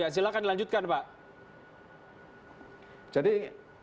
silahkan dilanjutkan pak